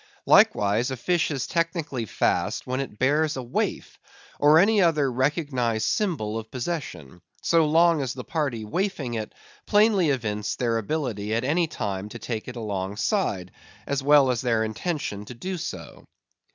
Likewise a fish is technically fast when it bears a waif, or any other recognised symbol of possession; so long as the party waifing it plainly evince their ability at any time to take it alongside, as well as their intention so to do.